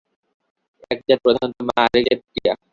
এক জাত প্রধানত মা, আর-এক জাত প্রিয়া।